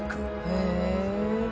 へえ。